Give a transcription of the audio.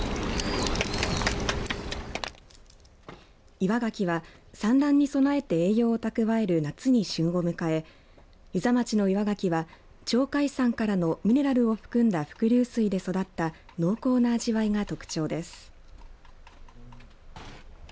岩がきは産卵に備えて栄養を蓄える夏に旬を迎え遊佐町の岩がきは鳥海山からのミネラルを含んだ伏流水で育った濃厚な味わいが特徴です。